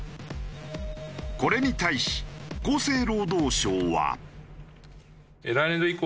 これに対し厚生労働省は。